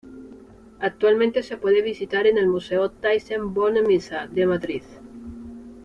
Actualmente se puede visitar en el Museo Thyssen-Bornemisza de Madrid.